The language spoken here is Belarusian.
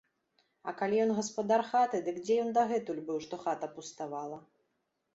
А калі ён гаспадар хаты, дык дзе ён дагэтуль быў, што хата пуставала.